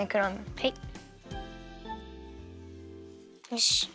よし。